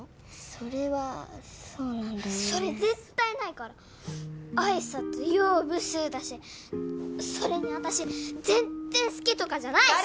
それはそうなんだよねそれ絶対ないから挨拶「よブス」だしそれに私全然好きとかじゃないし！